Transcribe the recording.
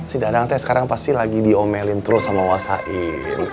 si dadang teh sekarang pasti lagi diomelin terus sama wasain